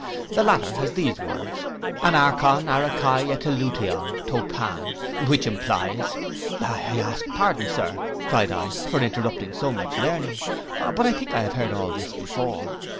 The latter has these words. Anarchon ara kai atelutaion to pan, which implies_'—'I ask pardon, Sir,' cried I, 'for interrupting so much learning; but I think I have heard all this before.